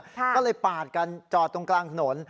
ก็เลยปาดกันจอดตรงกลางถนน